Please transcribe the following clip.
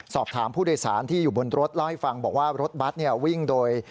สอบถามผู้โดยสารที่อยู่บนรถเล่าให้ฟังบอกว่ารถบัตรวิ่งโดย